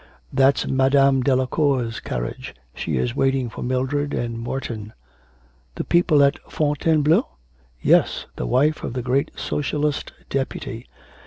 'That's Madame Delacour's carriage, she is waiting for Mildred and Morton.' 'The people at Fontainebleau?' 'Yes, the wife of the great Socialist Deputy.